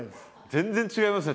全然違いますね